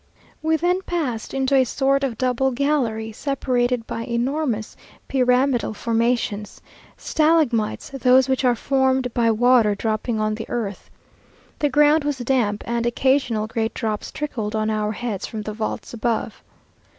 We then passed into a sort of double gallery, separated by enormous pyramidal formations stalagmites, those which are formed by water dropping on the earth. The ground was damp, and occasionally great drops trickled on our heads from the vaults above.